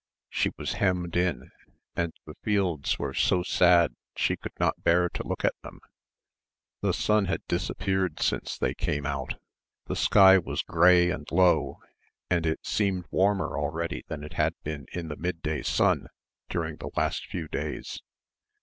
She was hemmed in, and the fields were so sad she could not bear to look at them. The sun had disappeared since they came out. The sky was grey and low and it seemed warmer already than it had been in the midday sun during the last few days.